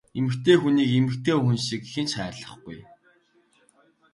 Эмэгтэй хүнийг эмэгтэй хүн шиг хэн ч хайрлахгүй!